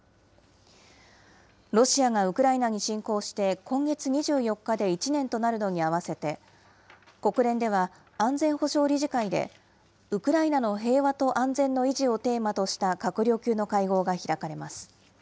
ロシアがウクライナに侵攻して今月２４日で１年となるのに合わせて、国連では安全保障理事会でウクライナの平和と安全の維持をテーマとした閣僚級の会合が開かれます。